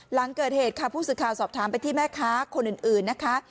หลังเกิดเหตุค่ะผู้สื่อข่าวสอบถามไปที่แม่ค้าคนอื่นนะคะ